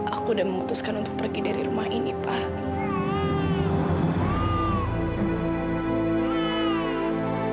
aku udah memutuskan untuk pergi dari rumah ini pak